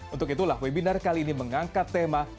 untuk itulah webinar kali ini mengangkat tema